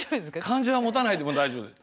感情はもたないでも大丈夫です。